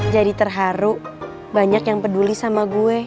jadi terharu banyak yang peduli sama gue